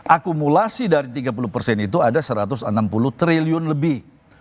akumulasi dari tiga puluh persen itu ada satu ratus enam puluh triliun lebih